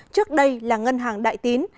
trước đây là ngân hàng đại tín